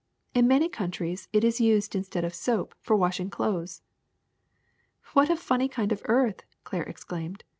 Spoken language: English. In many countries it is used instead of soap for washing clothes. '' *^What a funny kind of earth!" Claire exclaimed.